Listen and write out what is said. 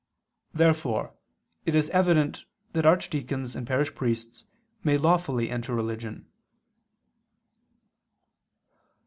Therefore it is evident that archdeacons and parish priests may lawfully enter religion.